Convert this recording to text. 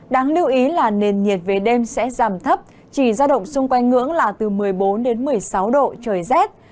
đáng lưu ý là nền nhiệt về đêm sẽ giảm thấp chỉ ra động xung quanh ngưỡng là từ một mươi bốn đến một mươi sáu độ trời rét